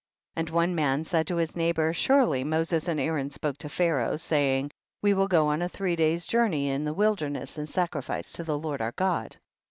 9. And one man said to his neigh bor, surely Moses and Aaron spoke to Pharaoh, saying, w^e will go a three days' journey in the wilderness and sacrifice to the Lord our God.